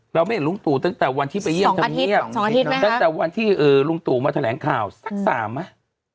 เราไม่เห็นลุงตั๋วตั้งแต่วันที่ไปเยี่ยมทำเงียบ๒อาทิตย์ตั้งแต่วันที่ลุงตั๋วมาแถลงข่าวสัก๓อาทิตย์